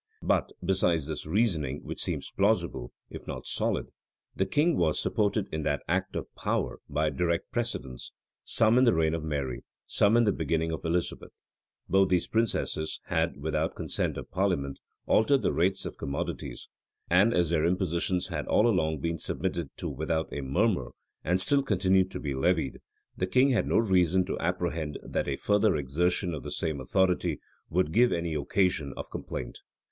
But, besides this reasoning, which seems plausible, if not solid, the king was supported in that act of power by direct precedents, some in the reign of Mary, some in the beginning of Elizabeth.[] Both these princesses had, without consent of parliament, altered the rates of commodities; and as their impositions had all along been submitted to without a murmur, and still continued to be levied, the king had no reason to apprehend that a further exertion of the same authority would give any occasion of complaint.